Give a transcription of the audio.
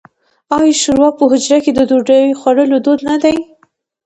آیا شوروا په حجرو کې د ډوډۍ خوړلو دود نه دی؟